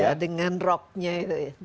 ya dengan rocknya itu ya